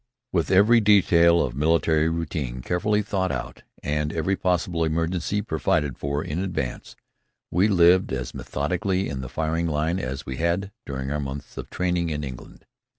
With every detail of military routine carefully thought out and every possible emergency provided for in advance, we lived as methodically in the firing line as we had during our months of training in England.